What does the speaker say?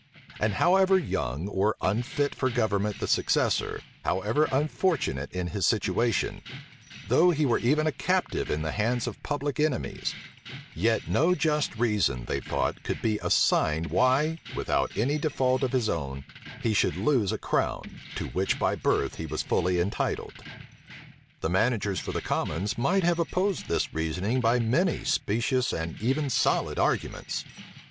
And however young or unfit for government the successor, however unfortunate in his situation, though he were even a captive in the hands of public enemies, yet no just reason, they thought, could be assigned why, without any default of his own, he should lose a crown, to which by birth he was fully entitled. The managers for the commons might have opposed this reasoning by many specious and even solid arguments.